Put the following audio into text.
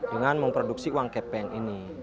dengan memproduksi uang kepeng ini